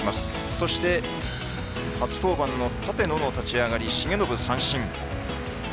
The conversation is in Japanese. そして初登板の立野の立ち上がり重信、三振。